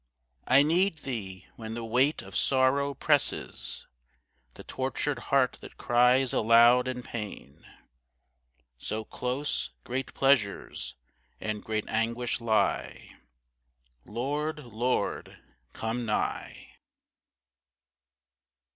I need Thee when the weight of sorrow presses The tortured heart that cries aloud in pain, So close great pleasures and great anguish lie. Lord, Lord, come nigh.